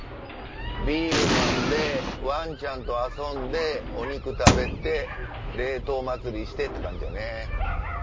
ビール飲んでワンちゃんと遊んでお肉食べて冷凍祭りしてって感じやね。